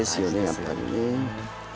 やっぱりね。